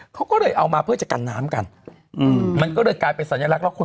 เขาก็เลยเอามาเพื่อจะกันน้ำกันอืมมันก็เลยกลายเป็นสัญลักษณ์คน